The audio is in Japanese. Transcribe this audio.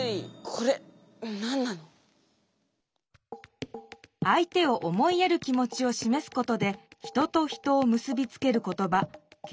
これなんなの⁉相手を思いやる気もちをしめすことで人と人を結びつける言ば敬語。